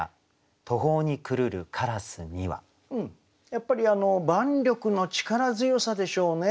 やっぱり万緑の力強さでしょうね。